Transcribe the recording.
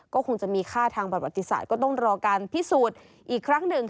ก็คงจะมีค่าทางประวัติศาสตร์ก็ต้องรอการพิสูจน์อีกครั้งหนึ่ง